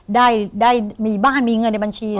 ได้มีบ้านมีเงินในบัญชี